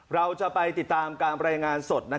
เราจะไปติดตามการรายงานสด